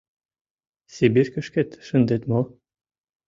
Сибиркышкет шындет мо?